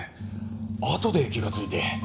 あとで気がついて。